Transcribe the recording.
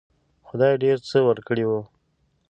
خدای ډېر څه ورکړي وو.